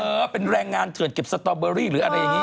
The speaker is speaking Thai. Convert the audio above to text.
เออเป็นแรงงานเถื่อนเก็บสตอเบอรี่หรืออะไรอย่างนี้